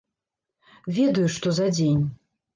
Ведаю, што за дзень.